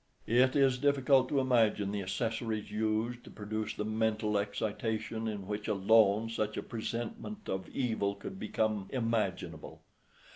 It is difficult to imagine the accessories used to produce the mental excitation in which alone such a presentment of evil could become imaginable.